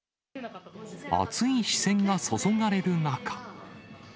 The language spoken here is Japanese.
熱い視線が注がれる中。